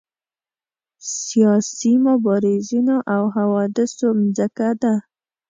سیاسي مبارزینو او حوادثو مځکه ده.